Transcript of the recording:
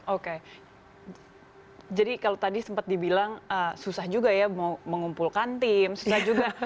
oke jadi kalau tadi sempat dibilang susah juga ya mau mengumpulkan tim susah juga